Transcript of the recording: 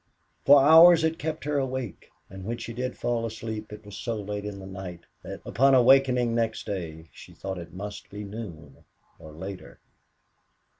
For hours it kept her awake; and when she did fall asleep it was so late in the night that, upon awakening next day, she thought it must be noon or later.